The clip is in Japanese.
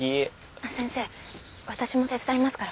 先生私も手伝いますから。